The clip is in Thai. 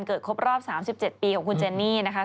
วันเกิดครบรอบ๓๗ปีของคุณเจนี่นะคะ